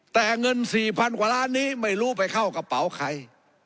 แต่เงิน๔๐๐๐กว่าล้านนี้ไม่รู้ไปเข้ากระเป๋าใคร